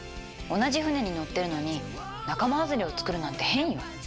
同じ船に乗ってるのに仲間外れを作るなんて変よ。